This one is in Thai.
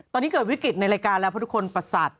ตอนนี้เกิดวิกฤตในรายการแล้วเพราะทุกคนประสาท